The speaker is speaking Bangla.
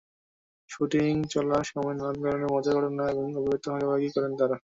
শুটিং চলার সময়ের নানা ধরনের মজার ঘটনা এবং অভিজ্ঞতা ভাগাভাগি করেন তাঁরা।